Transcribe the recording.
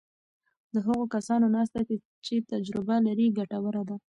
د هغو کسانو ناسته چې تجربه لري ګټوره ده.